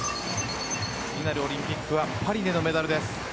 次なるオリンピックはパリへのメダルです。。